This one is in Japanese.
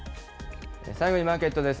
最後にマーケットです。